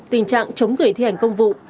tình trạng chống gửi thi hành công vụ